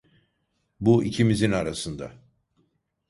Bu ikimizin arasında.